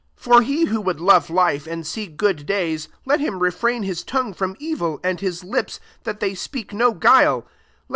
10 " For he who would love life, and see good days, let him refrain his tongue from crilj cm4 his lips, that they •pl» tto guilivi *.